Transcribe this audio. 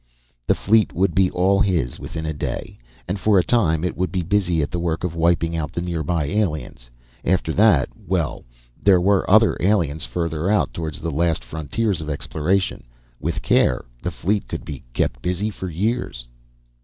The fleet would be all his within a day. And for a time, it would be busy at the work of wiping out the nearby aliens. After that well, there were other aliens further out toward the last frontiers of exploration. With care, the fleet could be kept busy for years.